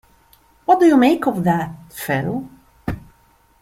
What do you make of that, Phil?